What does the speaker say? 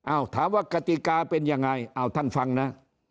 ถามว่ากติกาเป็นยังไงเอาท่านฟังนะ